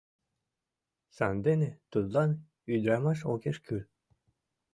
Сандене тудлан ӱдырамаш огеш кӱл.